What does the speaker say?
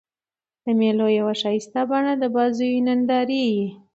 د مېلو یوه ښایسته بڼه د بازيو نندارې يي.